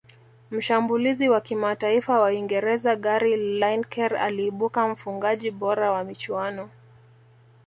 Mshambulizi wa kimataifa wa uingereza gary lineker aliibuka mfungaji bora wa michuano